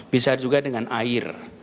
bisa juga dengan air